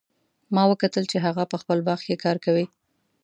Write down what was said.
ما وکتل چې هغه په خپل باغ کې کار کوي